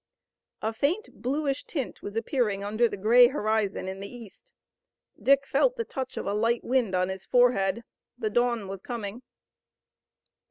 A faint bluish tint was appearing under the gray horizon in the east. Dick felt the touch of a light wind on his forehead. The dawn was coming.